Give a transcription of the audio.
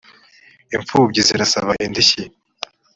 imfubyi zirasaba indishyi